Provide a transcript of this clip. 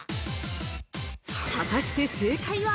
◆果たして正解は？